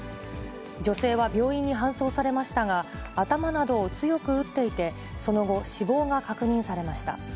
女性は病院に搬送されましたが、頭などを強く打っていて、その後、死亡が確認されました。